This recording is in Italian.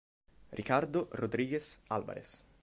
Ricardo Rodríguez Álvarez